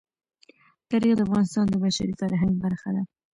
تاریخ د افغانستان د بشري فرهنګ برخه ده.